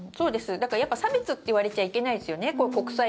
だからやっぱり、差別って言われちゃいけないですよね。